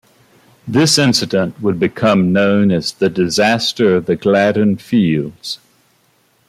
This incident would become known as the Disaster of the Gladden Fields.